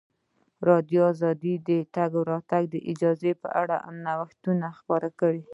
ازادي راډیو د د تګ راتګ ازادي په اړه د نوښتونو خبر ورکړی.